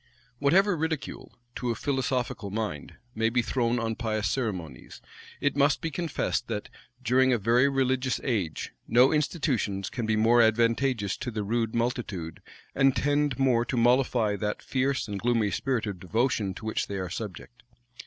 Whatever ridicule, to a philosophical mind, may be thrown on pious ceremonies, it must be confessed that, during a very religious age, no institutions can be more advantageous to the rude multitude, and tend more to mollify that fierce and gloomy spirit of devotion to which they are subject.